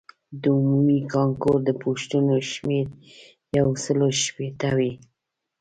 د عمومي کانکور د پوښتنو شمېر یو سلو شپیته وي.